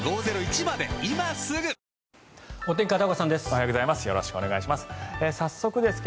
おはようございます。